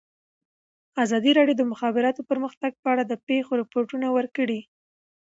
ازادي راډیو د د مخابراتو پرمختګ په اړه د پېښو رپوټونه ورکړي.